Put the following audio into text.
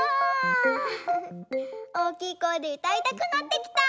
おおきいこえでうたいたくなってきた。